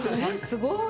すごい！